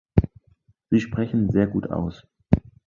Sie sprechen sehr gut aus.